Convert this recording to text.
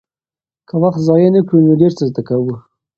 که وخت ضایع نه کړو نو ډېر څه زده کوو.